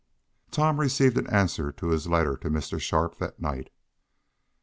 Tom received an answer to his letter to Mr. Sharp that night.